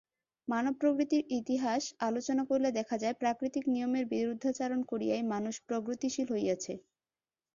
মানব-প্রগতির ইতিহাস আলোচনা করিলে দেখা যায়, প্রাকৃতিক নিয়মের বিরুদ্ধাচরণ করিয়াই মানুষ প্রগতিশীল হইয়াছে।